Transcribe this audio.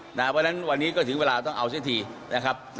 เพราะฉะนั้นวันนี้ก็ถึงเวลาต้องเอาเสียทีนะครับ